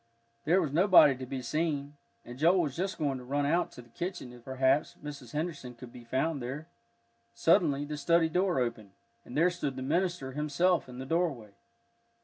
There was nobody to be seen, and Joel was just going to run out to the kitchen, if, perhaps, Mrs. Henderson could be found there. Suddenly the study door opened, and there stood the minister himself in the doorway.